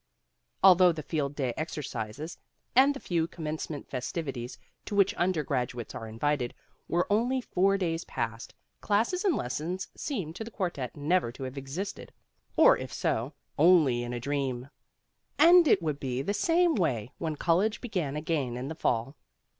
Although, the Field Day exercises, and the few Commencement festivi ties to which undergraduates are invited, were only four days past, classes and lessons seemed to the Quartet never to have existed; or if so, only in a dream. And it would be the same way when college began again in the fall.